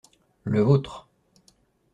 Le vôtre.